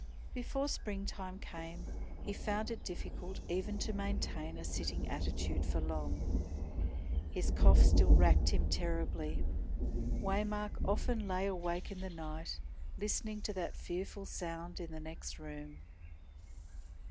Before springtime came he found it difficult even to maintain a sitting attitude for long. His cough still racked him terribly. Waymark often lay awake in the night, listening to that fearful sound in the next room.